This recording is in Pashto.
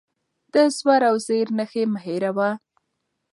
د زور او زېر نښې مه هېروه.